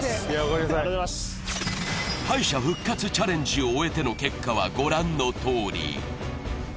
敗者復活チャレンジを終えての結果は御覧のとおり。